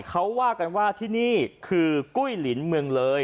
เขาว่ากันว่าที่นี่คือกุ้ยหลินเมืองเลย